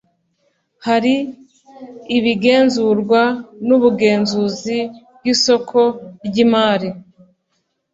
Hari ibigenzurwa n’Ubugenzuzi bw’isoko ry’imari